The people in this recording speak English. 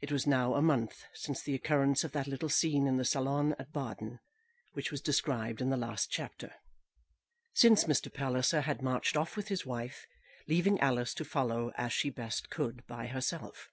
It was now a month since the occurrence of that little scene in the salon at Baden, which was described in the last chapter, since Mr. Palliser had marched off with his wife, leaving Alice to follow as she best could by herself.